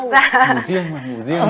ngủ riêng mà ngủ riêng